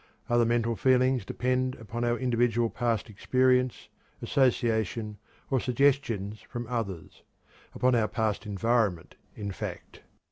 Other mental feelings depend upon our individual past experience, association, or suggestions from others upon our past environment, in fact.